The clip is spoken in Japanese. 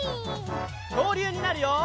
きょうりゅうになるよ！